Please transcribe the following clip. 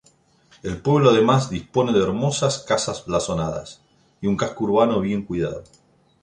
El pueblo además dispone de hermosas casas blasonadas, y un casco urbano bien cuidado.